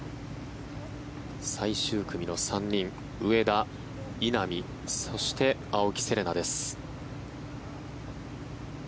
最終組の３人、上田、稲見そして青木瀬令奈です。